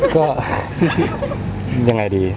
ก็ยังไงดี